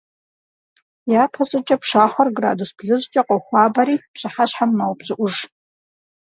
Япэщӏыкӏэ пшахъуэр градус блыщӏкӏэ къохуабэри, пщыхьэщхьэм мэупщӏыӏуж.